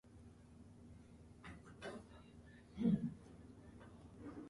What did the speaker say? Books that were not accepted into the canons are now termed "apocryphal".